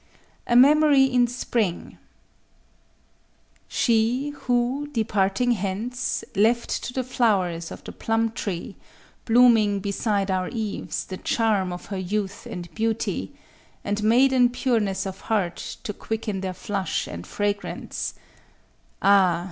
_ A MEMORY IN SPRING _She, who, departing hence, left to the flowers of the plum tree, Blooming beside our eaves, the charm of her youth and beauty, And maiden pureness of heart, to quicken their flush and fragrance,— Ah!